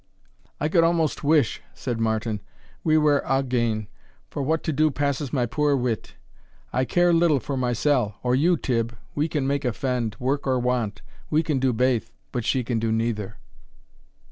"I could almost wish," said Martin, "we were a' gane, for what to do passes my puir wit. I care little for mysell, or you, Tibb, we can make a fend work or want we can do baith, but she can do neither."